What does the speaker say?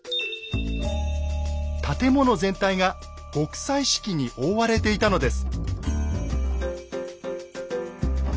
建物全体が極彩色に覆われていたのです。